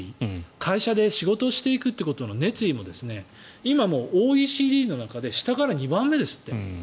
会社で仕事をしていくことの熱意も今、ＯＥＣＤの中で下から２番目ですって。